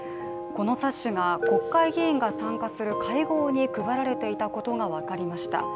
この冊子が国会議員が参加する会合に配られていたことが分かりました。